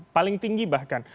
paling tinggi bahkan